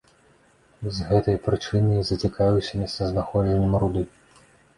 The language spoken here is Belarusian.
З гэтае прычыны я зацікавіўся месцазнаходжаннем руды.